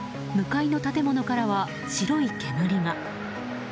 向かいの建物からは白い煙が。